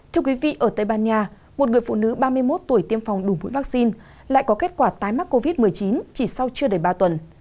thưa quý vị ở tây ban nha một người phụ nữ ba mươi một tuổi tiêm phòng đủ mũi vaccine lại có kết quả tái mắc covid một mươi chín chỉ sau chưa đầy ba tuần